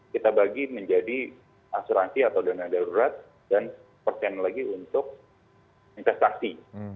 kita bagi menjadi asuransi atau dana darurat dan persen lagi untuk investasi